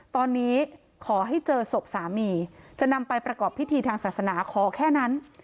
ตอนนี้ขอให้เจอศพสามีจะนำไปประกอบพิธีทางศาสนาขอแค่นั้น